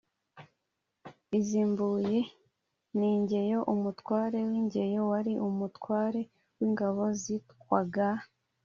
Iz’ i Mbuye: Ni Ingeyo. Umutware w’Ingeyo wari n’Umutware w’ingabo zitwaga